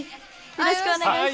よろしくお願いします！